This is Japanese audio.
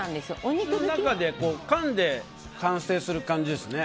口の中でかんで完成する感じですね。